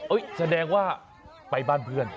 แสดงว่าไปบ้านเพื่อน